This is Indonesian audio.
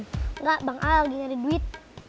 enggak bang al lagi nyari duit